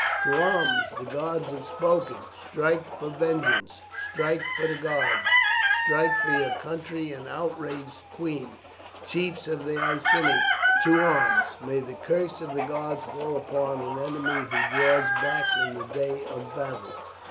"To arms! the gods have spoken. Strike for vengeance. Strike for the gods. Strike for your country and outraged queen. Chiefs of the Iceni, to arms! May the curse of the gods fall upon an enemy who draws back in the day of battle!